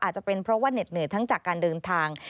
อาจจะเป็นเพราะว่าเหน็ดเหนื่อยทั้งจากการเดินทาง